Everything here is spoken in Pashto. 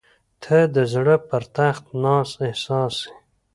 • ته د زړه پر تخت ناست احساس یې.